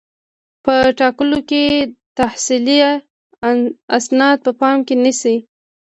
په ټاکلو کې تحصیلي اسناد په پام کې نیسي.